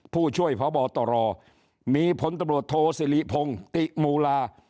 ผู้ช่วยพตรมีพตรโทศรีพงษ์ติมูลา